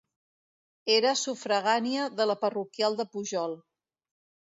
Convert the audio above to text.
Era sufragània de la parroquial de Pujol.